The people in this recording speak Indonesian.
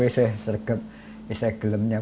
saya tidak pernah mencari pelayanan